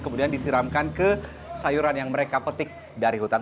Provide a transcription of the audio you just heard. kemudian disiramkan ke sayuran yang mereka petik dari hutan